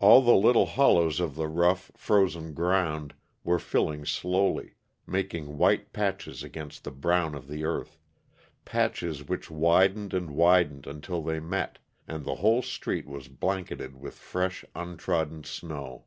All the little hollows of the rough, frozen ground were filling slowly, making white patches against the brown of the earth patches which widened and widened until they met, and the whole street was blanketed with fresh, untrodden snow.